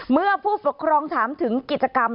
เมื่อผู้ปกครองถามถึงกิจกรรม